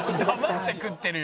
「黙って食ってるよ」